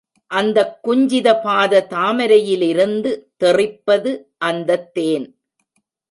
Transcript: அந்தக் குஞ்சித பாத தாமரையிலிருந்து தெறிப்பது அந்தத் தேன்.